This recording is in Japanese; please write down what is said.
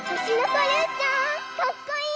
かっこいい！